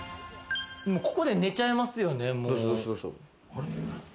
ここで寝ちゃえますよね。